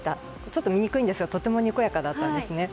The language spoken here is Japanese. ちょっと見にくいんですがとてもにこやかだったんですね。